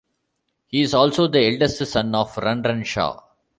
He is also the eldest son of Run Run Shaw.